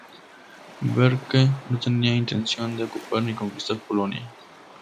Berke no tenía intención de ocupar ni conquistar Polonia.